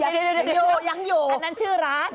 เดี๋ยวอันนั้นชื่อร้าน